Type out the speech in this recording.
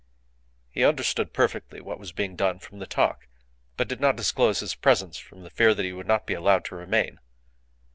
He understood perfectly what was being done from the talk, but did not disclose his presence from the fear that he would not be allowed to remain.